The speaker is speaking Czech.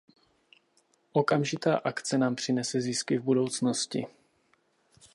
Okamžitá akce nám přinese zisky v budoucnosti.